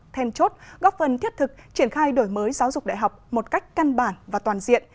then chốt góp phần thiết thực triển khai đổi mới giáo dục đại học một cách căn bản và toàn diện